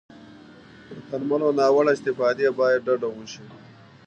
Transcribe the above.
د درملو له ناوړه استفادې باید ډډه وشي.